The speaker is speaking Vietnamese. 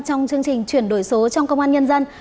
trong chương trình chuyển đổi số trong công an nhân dân